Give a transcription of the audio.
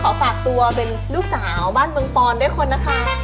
ฝากตัวเป็นลูกสาวบ้านเมืองปอนด้วยคนนะคะ